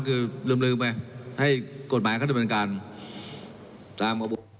คือลืมมาให้กฎหมายเค้าเป็นการสร้างประวบ